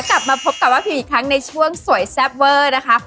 กลับมาพบกับป้าพิวอีกครั้งในช่วงสวยแซ่บเวอร์นะคะ